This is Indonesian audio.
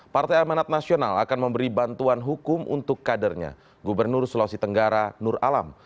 partai amanat nasional akan memberi bantuan hukum untuk kadernya gubernur sulawesi tenggara nur alam